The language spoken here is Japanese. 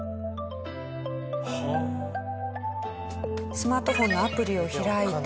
スマートフォンのアプリを開いて。